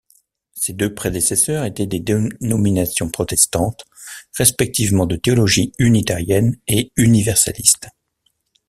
Ces deux prédécesseurs étaient des dénominations protestantes respectivement de théologie unitarienne et universaliste.